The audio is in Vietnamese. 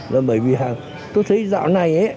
là bởi vì tôi thấy dạo này